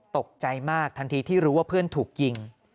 ตกใจมากทันทีที่รู้ว่าเพื่อนถูกยิง